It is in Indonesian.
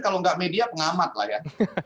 kalau nggak media pengamat lah ya